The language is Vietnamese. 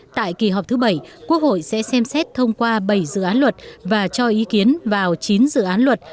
tại kỳ họp thứ bảy quốc hội sẽ xem xét thông qua bảy dự án luật và cho ý kiến vào chín dự án luật